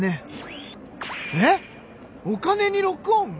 お金にロックオン！？